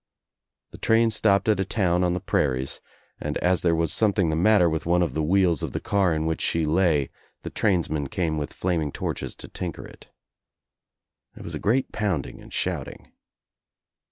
The train stopped at a town on the prairies, and as there was something the matter with one of the wheels of the car in which she lay the Irainsmen came with flaming torches to tinker it. There was a great poundJng and shouting.